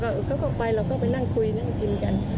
เขาก็ไปเราก็ไปนั่งคุยนั่งกินกัน